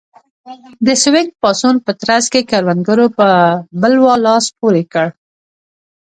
د سوینګ پاڅون په ترڅ کې کروندګرو په بلوا لاس پورې کړ.